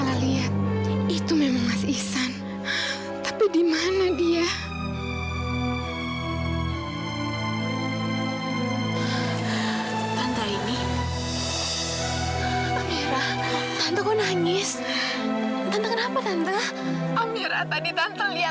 sampai jumpa di video selanjutnya